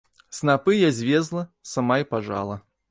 Снапы я звезла, сама і пажала.